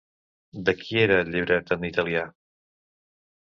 De qui era el llibret en italià?